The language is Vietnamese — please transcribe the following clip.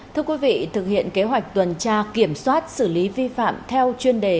thưa quý vị thực hiện kế hoạch tuần tra kiểm soát xử lý vi phạm theo chuyên đề